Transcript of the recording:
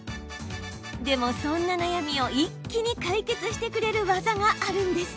でもそんな悩みを一気に解決してくれる技があるんです。